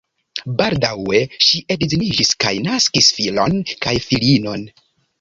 Baldaŭe ŝi edziniĝis kaj naskis filon kaj filinon.